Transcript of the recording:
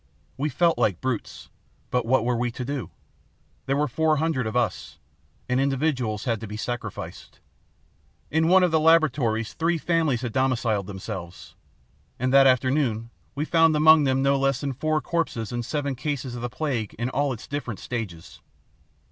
We felt like brutes, but what were we to do? There were four hundred of us, and individuals had to be sacrificed. "In one of the laboratories three families had domiciled themselves, and that afternoon we found among them no less than four corpses and seven cases of the plague in all its different stages.